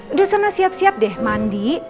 udah senang siap siap deh mandi